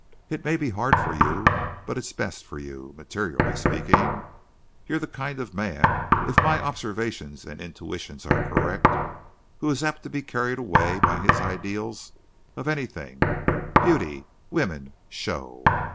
It may be hard for you, but it's best for you, materially speaking. You're the kind of man, if my observations and intuitions are correct, who is apt to be carried away by his ideals of anything beauty, women, show.